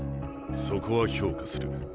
そこは評価する。